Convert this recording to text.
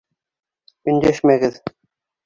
Өндәшмәгеҙ!